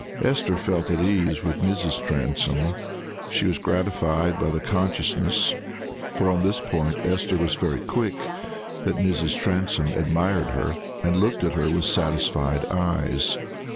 Esther felt at her ease with Mrs. Transome: she was gratified by the consciousness for on this point Esther was very quick that Mrs. Transome admired her, and looked at her with satisfied eyes.